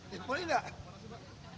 jadi keunangan siapa sih pak